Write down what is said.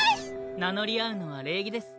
名乗り合うのは礼儀です。